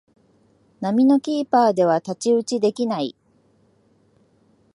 並みのキーパーでは太刀打ちできない